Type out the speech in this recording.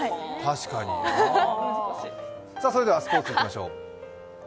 それではスポーツ、いきましょう。